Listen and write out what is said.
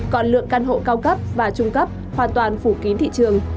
còn lượng căn hộ cao cấp và trung cấp hoàn toàn phủ kín thị trường